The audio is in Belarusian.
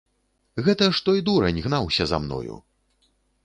Гэта ж той дурань гнаўся за мною!